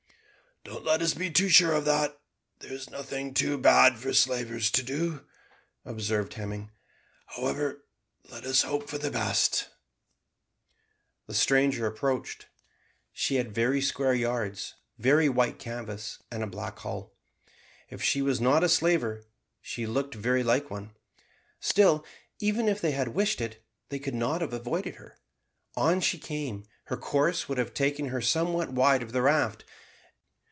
"Don't let us be too sure of that. There is nothing too bad for slavers to do," observed Hemming; "however, let us hope for the best." The stranger approached. She had very square yards, very white canvas, and a black hull. If she was not a slaver, she looked very like one. Still, even if they had wished it, they could not have avoided her. On she came. Her course would have taken her somewhat wide of the raft.